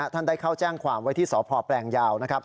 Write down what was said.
ท่านได้เข้าแจ้งความไว้ที่สพแปลงยาวนะครับ